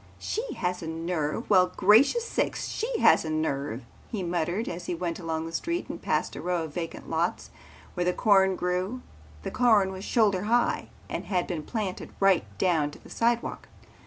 "She has a nerve! Well, gracious sakes, she has a nerve," he muttered as he went along the street and passed a row of vacant lots where corn grew. The corn was shoulder high and had been planted right down to the sidewalk.